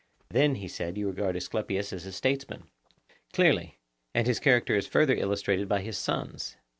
Then, he said, you regard Asclepius as a statesman. Clearly; and his character is further illustrated by his sons.